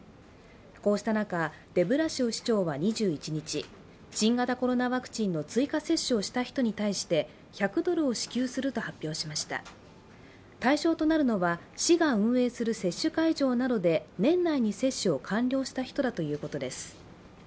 こうした中、デブラシオ市長は２１日、新型コロナウイルスワクチンの追加接種をした人に対して１００ドルを支給すると発表しました対象となるのは市が運営する接種会場などで年内に接種を完了した人だということです。